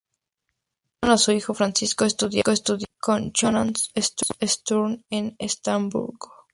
Enviaron a su hijo Francisco a estudiar con Johann Sturm en Estrasburgo.